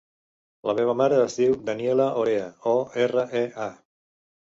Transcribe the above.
La meva mare es diu Daniella Orea: o, erra, e, a.